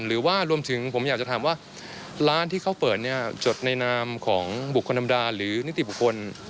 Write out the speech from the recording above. หรือว่ารวมถึงผมอยากจะถามว่าร้านที่เขาเปิดเนี่ยจดในนามของบุคคลธรรมดาหรือนิติบุคคล